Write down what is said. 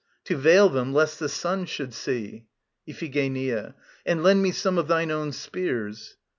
To veil them, lest the Sun should see. IPHIGENIA. And lend me some of thine own spears.